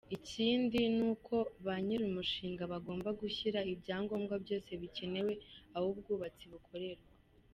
Ikindi nuko ba nyiri umushinga bagomba gushyira ibyangombwa byose bikenewe aho ubwubatsi bukorerwa.